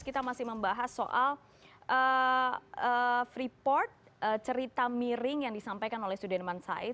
kita masih membahas soal freeport cerita miring yang disampaikan oleh sudirman said